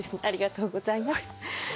ありがとうございます。